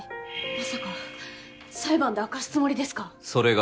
まさか裁判で明かすつもりですか！